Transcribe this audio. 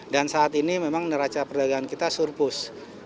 dan saat ini memang neraca perdagangan kita surplus